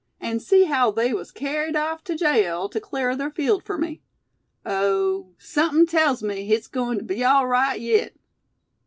An' see haow they was kerried off tew jail tew clar ther field fur me! Oh! sumpin' tells me hit's goin' tew be awl rite yit."